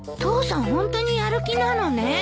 父さんホントにやる気なのね。